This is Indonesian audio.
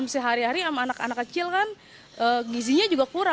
rasanya si taunya ini susu gitu aja